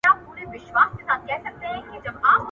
د دوی نظریات موږ ته لارښوونه کوي.